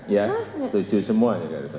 ya tujuh semua